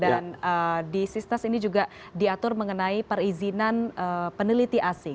dan di sisnas ini juga diatur mengenai perizinan penelitian